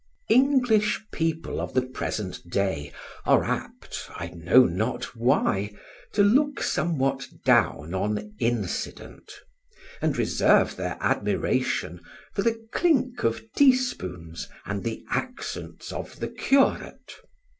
English people of the present day are apt, I know not why, to look somewhat down on incident, and reserve their admiration for the clink of teaspoons and the accents of the curate.